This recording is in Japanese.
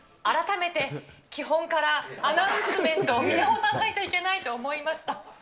改めて基本からアナウンスメントを見直さないといけないと思いました。